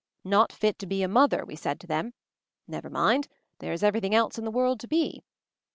Not fit to be a mother, we said to them ; never mind — there is everything else in the world to be.